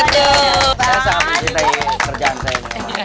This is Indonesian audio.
saya sangat mencintai kerjaan saya